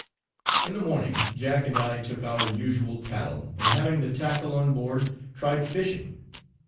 In the morning Jack and I took our usual paddle, and having the tackle on board, tried fishing.